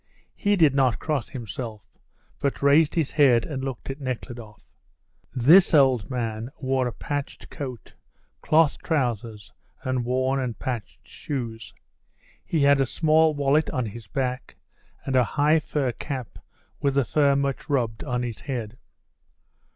He did not cross himself, but raised his head and looked at Nekhludoff. This old man wore a patched coat, cloth trousers and worn and patched shoes. He had a small wallet on his back, and a high fur cap with the fur much rubbed on his head.